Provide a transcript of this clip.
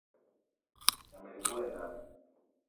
Na melig wa e nnam i?